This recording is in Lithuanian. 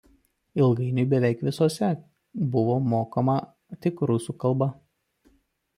Ilgainiui beveik visose buvo mokoma tik rusų kalba.